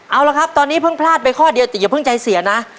เอาละครับตอนนี้เพิ่งพลาดไปข้อเดียวแต่อย่าเพิ่งใจเสียนะ